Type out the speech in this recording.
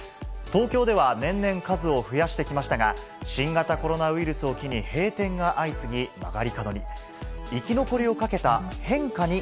東京では、年々数を増やしてきましたが、新型コロナウイルスを機に、閉店が相次ぎ、曲がり角に。